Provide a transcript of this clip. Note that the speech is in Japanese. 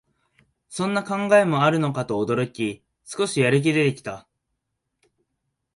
そんな考え方もあるのかと驚き、少しやる気出てきた